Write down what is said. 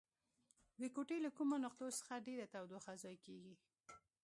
د کوټې له کومو نقطو څخه ډیره تودوخه ضایع کیږي؟